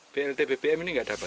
blt bbm ini nggak dapat